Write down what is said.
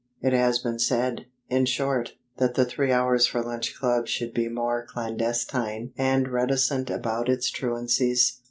It has been said, in short, that the Three Hours for Lunch Club should be more clandestine and reticent about its truancies.